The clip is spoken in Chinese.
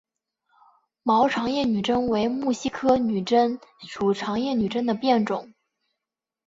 毛长叶女贞为木犀科女贞属长叶女贞的变种。